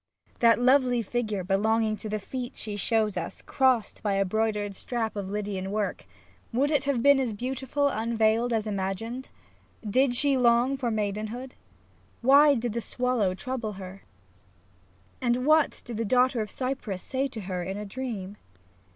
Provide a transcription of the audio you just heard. That lovely figure belonging to the feet she shows us " crossed by a broidered strap of Lydian work," would it have been as beautiful unveiled as imagined ? Did she long for maidenhood ? Why did the swallow trouble her, and 9 SAPPtiO what did the daughter of Cyprus say to her in a dream